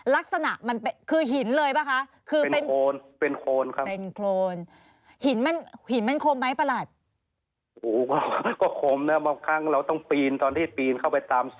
ลักษณะมันคือหินเลยป่ะคะ